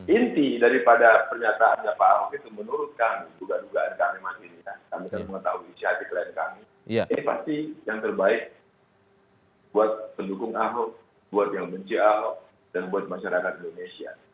inti daripada pernyataannya pak aho itu menurut kami juga dugaan kami masing masing kami tahu sihatik lain kami ini pasti yang terbaik buat pendukung aho buat yang mencih aho dan buat masyarakat indonesia